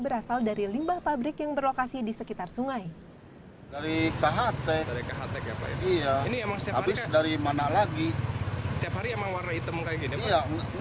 berasal dari limbah pabrik yang berlokasi di kampung ciharang